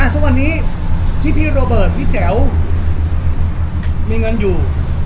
ทุกวันนี้ที่พี่โรเบิร์ตพี่แจ๋วมีเงินอยู่